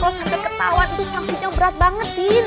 kalau sampai ketauan itu sanksinya berat banget tin